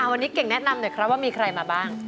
วันนี้เก่งแนะนำหน่อยครับว่ามีใครมาบ้าง